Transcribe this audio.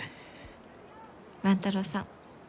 万太郎さん